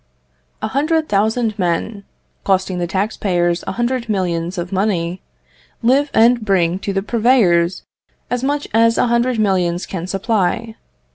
A hundred thousand men, costing the tax payers a hundred millions of money, live and bring to the purveyors as much as a hundred millions can supply.